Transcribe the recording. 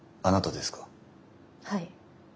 はい。